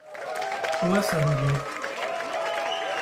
Où est-ce arrivé ?